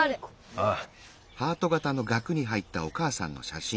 ああ。